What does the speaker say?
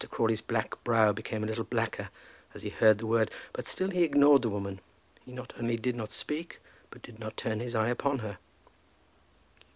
Crawley's black brow became a little blacker as he heard the word, but still he ignored the woman. He not only did not speak, but did not turn his eye upon her.